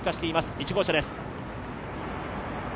１号車です。